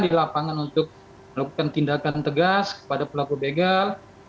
di lapangan untuk melakukan tindakan tegas kepada pelaku begal